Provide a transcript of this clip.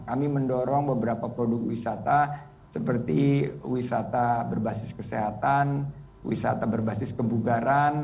kami mendorong beberapa produk wisata seperti wisata berbasis kesehatan wisata berbasis kebugaran